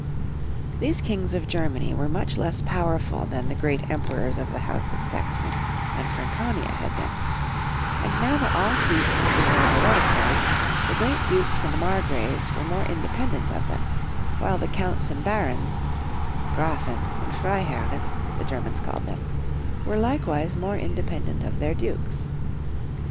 These kings of Germany were much less power ful than the great Emperors of the house of Saxony and Franconia had been; and now that all fiefe had been made hereditary, the great dukes and mar graves were more independent of them, while the counts and barons (Grafen and Freiherren, the Germans called them) were likewise more inde pendent of their dukes.